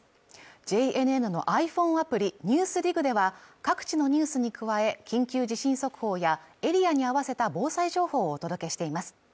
ＪＮＮのｉＰｈｏｎｅアプリ「ＮＥＷＳＤＩＧ」では各地のニュースに加え緊急地震速報やエリアに合わせた防災情報をお届けしています